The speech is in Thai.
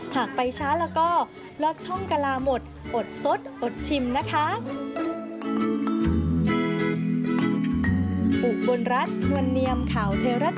หากไปช้าแล้วก็ลอดช่องกะลาหมดอดสดอดชิมนะคะ